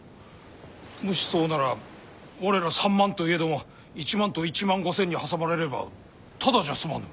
もしそうなら我ら３万といえども１万と１万５，０００に挟まれればただじゃ済まぬ。